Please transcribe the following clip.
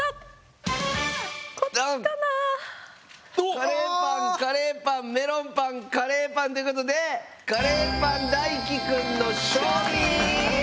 カレーパンカレーパンメロンパンカレーパンということでカレーパン大樹くんの勝利！